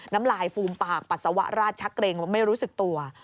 น้ำลายฟูมปากปัสสาวะราดชักเกรงว่าไม่รู้สึกตัว